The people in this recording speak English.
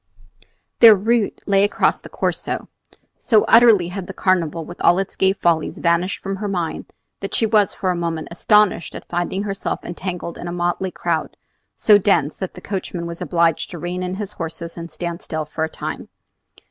Their route lay across the Corso. So utterly had the Carnival with all its gay follies vanished from her mind, that she was for a moment astonished at finding herself entangled in a motley crowd, so dense that the coachman was obliged to rein in his horses and stand still for some time.